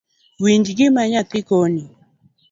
Winj gima nyathii koni